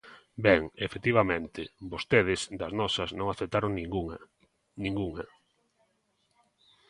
Ben, efectivamente, vostedes, das nosas, non aceptaron ningunha; ningunha.